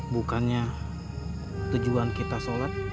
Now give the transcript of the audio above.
bukannya tujuan kita sholat